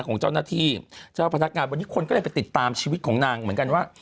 ของเจ้าหน้าที่เจ้าพนักงานวันนี้คนก็เลยไปติดตามชีวิตของนางเหมือนกันว่า